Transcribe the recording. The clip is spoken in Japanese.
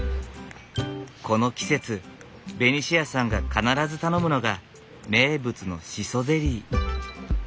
この季節ベニシアさんが必ず頼むのが名物のシソゼリー。